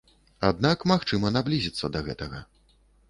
Аднак магчыма наблізіцца да гэтага.